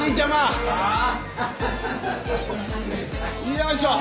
よいしょ！